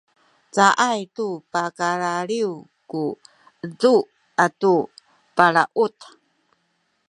caay tu pakalaliw ku edu atu balaut